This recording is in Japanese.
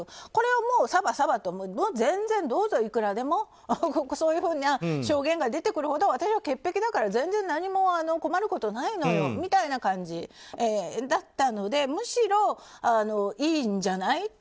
これはもう、さばさばと全然どうぞいくらでも、そういうふうな証言が出てくるほど私は潔癖だから全然困ることはないのよという感じだったのでむしろいいんじゃない？